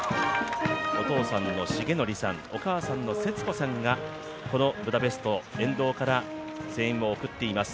お父さんのシゲノリさん、お母さんのセツコさんが、このブダペスト、沿道から声援を送っています。